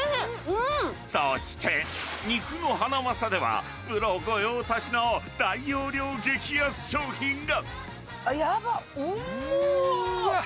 そして、肉のハナマサではプロ御用達の大容量激安商品が。